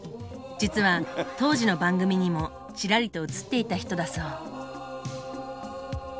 実は当時の番組にもチラリと映っていた人だそう。